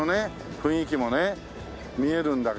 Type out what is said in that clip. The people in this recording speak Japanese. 雰囲気もね見えるんだけども。